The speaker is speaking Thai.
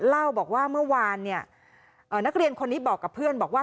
เล่าบอกว่าเมื่อวานเนี่ยนักเรียนคนนี้บอกกับเพื่อนบอกว่า